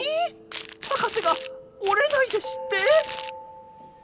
博士が折れないですって！？